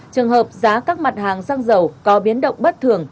trường hợp giá các mặt hàng xăng dầu có biến động bất thường